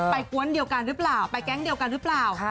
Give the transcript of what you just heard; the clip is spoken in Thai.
กวนเดียวกันหรือเปล่าไปแก๊งเดียวกันหรือเปล่า